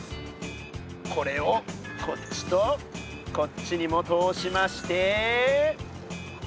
これをこっちとこっちにも通しまして。